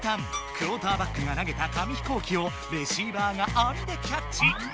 クオーターバックが投げた紙飛行機をレシーバーがあみでキャッチ。